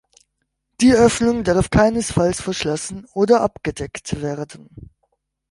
Die Öffnung darf keinesfalls verschlossen oder abgedeckt werden.